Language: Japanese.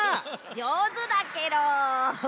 じょうずだケロ。